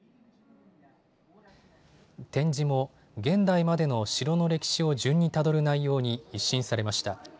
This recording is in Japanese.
展示も現代までの城の歴史を順にたどる内容に一新されました。